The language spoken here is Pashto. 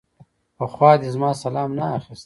پخوا دې زما سلام نه اخيست.